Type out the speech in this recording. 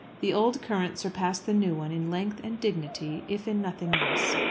The old current surpassed the new one in length and dignity, if in nothing else.